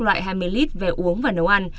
loại hai mươi lít về uống và nấu ăn